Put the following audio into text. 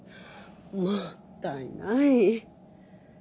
もったいない。